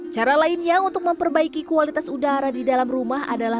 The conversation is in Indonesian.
cara lainnya untuk memperbaiki kualitas udara di dalam rumah adalah